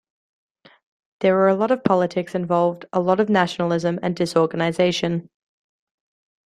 There were a lot of politics involved, a lot of nationalism and disorganization.